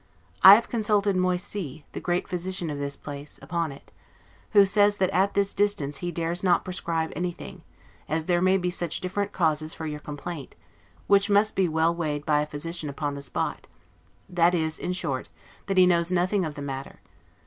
I have consulted Moisy, the great physician of this place, upon it; who says, that at this distance he dares not prescribe anything, as there may be such different causes for your complaint, which must be well weighed by a physician upon the spot; that is, in short, that he knows nothing of the matter.